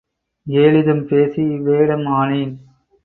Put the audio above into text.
ஏளிதம் பேசி இவ்வேடம் ஆனேன்.